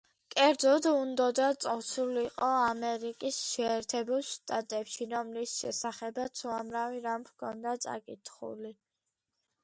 კერძოდ, უნდოდა წასულიყო ამერიკის შეერთებულ შტატებში, რომლის შესახებაც უამრავი რამ ჰქონდა წაკითხული.